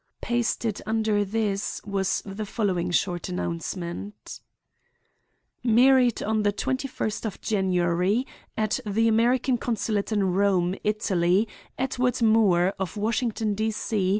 Pasted under this was the following short announcement: "Married on the twenty first of January, at the American consulate in Rome, Italy, Edward Moore, of Washington, D. C.